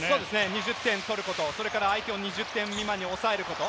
２０点取ること、それから相手を２０点未満に抑えること。